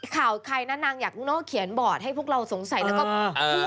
ข่าวใครนั่นอยากโน่นเขียนบอร์ดให้พวกเราสงสัยแล้วก็พูดออกมา